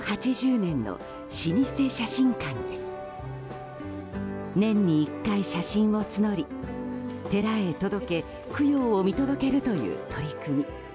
年に１回写真を募り寺へ届け供養を見届けるという取り組み。